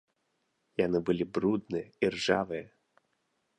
Яны былі брудныя і ржавыя.